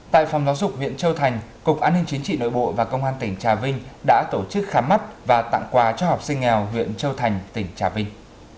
tại phòng giáo dục huyện châu thành cục an ninh chính trị nội bộ và công an tỉnh trà vinh đã tổ chức khám mắt và tặng quà cho học sinh nghèo huyện châu thành tỉnh trà vinh